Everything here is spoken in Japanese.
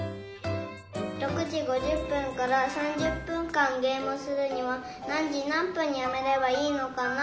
６時５０分から３０分間ゲームをするには何時何分にやめればいいのかな？